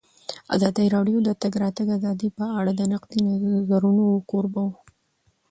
ازادي راډیو د د تګ راتګ ازادي په اړه د نقدي نظرونو کوربه وه.